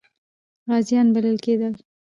غازیان بلل کېدل.